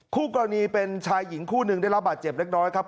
คู่กรณีเป็นชายหญิงคู่หนึ่งได้รับบาดเจ็บเล็กน้อยครับ